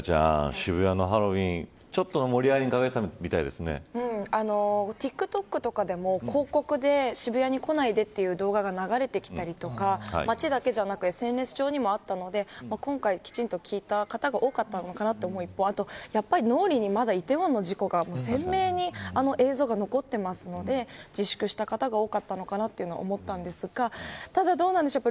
渋谷のハロウィーンちょっと盛り上がりにＴｉｋＴｏｋとかでも、広告で渋谷に来ないでという動画が流れてきたりとか街じゃなくてＳＮＳ上でも今回、きちんと聞いた方が多いのかなと思う一方あと脳裏に、梨泰院の事故が鮮明に映像が残っているので自粛した方が多かったのかなと思ったんですがただ、どうなんでしょうか。